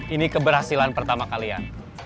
ini keberhasilan pertama kalian